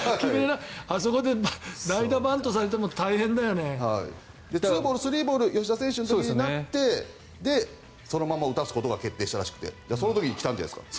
あそこで代打、バントされても２ボール、３ボール吉田選手の時になってそのまま打たすことが決定したらしくてその時に来たんじゃないですか。